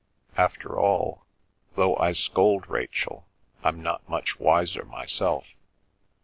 "After all, though I scold Rachel, I'm not much wiser myself.